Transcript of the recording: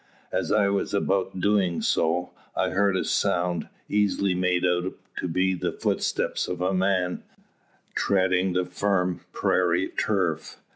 As I was about doing so, I heard a sound, easily made out to be the footsteps of a man, treading the firm prairie turf.